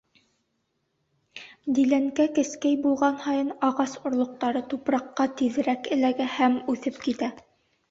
Диләнкә кескәй булған һайын ағас орлоҡтары тупраҡҡа тиҙерәк эләгә һәм үҫеп китә.